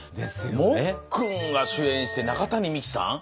もっくんが主演して中谷美紀さん